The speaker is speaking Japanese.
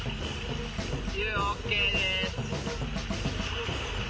遊ＯＫです。